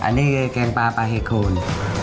อันนี้แกงป่าปลาเห็ดโคลน